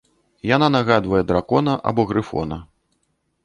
Яна нагадвае дракона або грыфона.